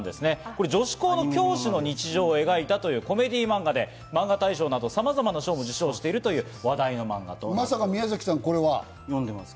これ、女子高の教師の日常を描いたというコメディーマンガでマンガ大賞などさまざまな賞を受賞しているという話題のマンガとなっています。